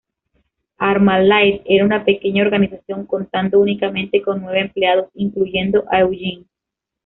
ArmaLite era una pequeña organización, contando únicamente con nueve empleados incluyendo a Eugene.